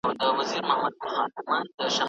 ما د کابل په لرغونو اثارو کې د تېر تاریخ نښې ولیدې.